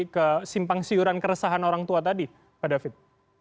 ke simpang siuran keresahan orang tua tadi pak david